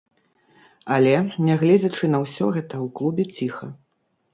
Але, нягледзячы на ўсё гэта, у клубе ціха.